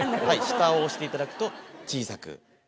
下を押していただくと小さく。